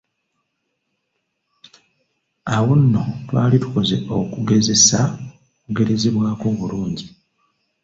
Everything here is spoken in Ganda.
Awo nno twali tukoze okugezesa okugerezebwako okulungi.